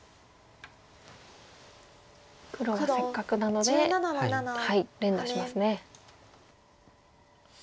黒はせっかくなので連打しますね。